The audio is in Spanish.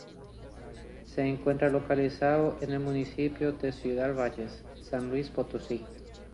Se encuentra localizado en el municipio de Ciudad Valles, San Luis Potosí.